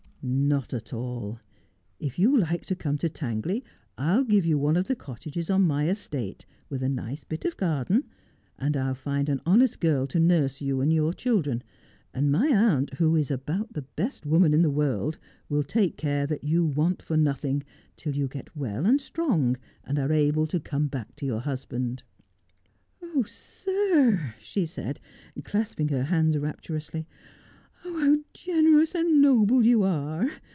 1 ' Not at all. If you like to come to Tangley I'll give you one of the cottages on my estate, with a nice bit of garden, and I'll find an honest girl to nurse you and your children ; and my aunt, who is about the best woman in the world, will take care that you want for nothing, till you get well and strong and are able to come back to your husband.' 176 Just as I Am. 'Oh, sir,' she said, clasping her hands rapturously, 'how generous and noble you are